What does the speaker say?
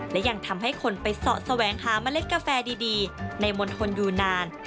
และยังทำให้คนไปเสาะแสวงหาเมล็ดกาแฟดีในมณฑลอยู่นาน